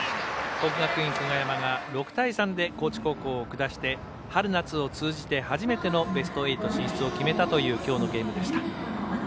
国学院久我山が６対３で高知高校を下して春夏を通じて初めてのベスト８進出を決めたというきょうのゲームでした。